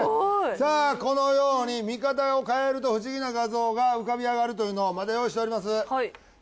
さあこのように見方を変えると不思議な画像が浮かび上がるというのをまだ用意しております。